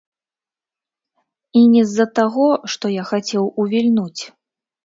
І не з-за таго, што я хацеў увільнуць.